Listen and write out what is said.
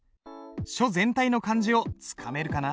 書全体の感じをつかめるかな。